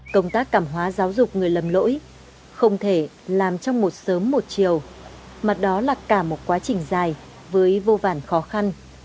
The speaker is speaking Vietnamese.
công tác cảm hóa giáo dục người lầm lỗi không thể làm trong một sớm một chiều mà đó là cả một quá trình dài với vô vàn khó khăn